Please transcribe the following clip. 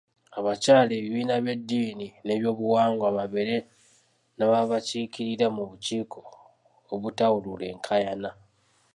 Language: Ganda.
Abakyala, ebibiina by’eddini n’ebyobuwangwa babeere n’ababakiikirira mu bukiiko obutawulula enkaayana.